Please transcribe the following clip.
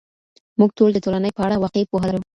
موږ ټول د ټولنې په اړه واقعي پوهه لرو.